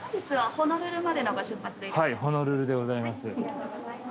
ホノルルでございます。